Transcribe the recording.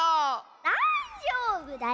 だいじょうぶだよ。